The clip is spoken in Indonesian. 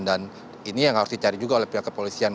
dan ini yang harus dicari juga oleh pihak kepolisian